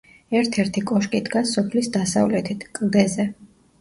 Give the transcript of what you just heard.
ერთ-ერთი კოშკი დგას სოფლის დასავლეთით, კლდეზე.